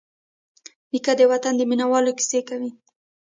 نیکه د وطن د مینوالو کیسې کوي.